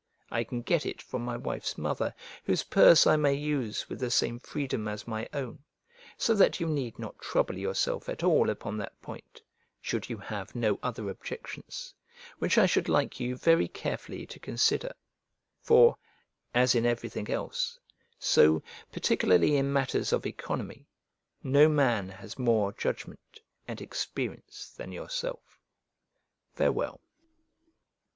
I can get it from my wife's mother, whose purse I may use with the same freedom as my own; so that you need not trouble yourself at all upon that point, should you have no other objections, which I should like you very carefully to consider: for, as in everything else, so, particularly in matters of economy, no man has more judgment and experience than yourself. Farewell.